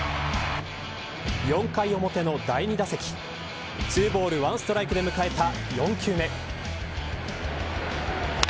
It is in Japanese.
４回表の第２打席２ボール１ストライクで迎えた４球目。